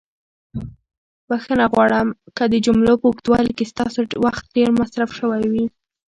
بښنه غواړم که د جملو په اوږدوالي کې ستاسو وخت ډېر مصرف شوی وي.